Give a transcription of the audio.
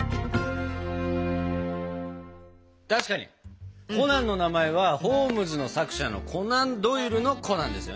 確かにコナンの名前はホームズの作者のコナン・ドイルの「コナン」ですよね。